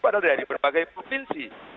pada dari berbagai provinsi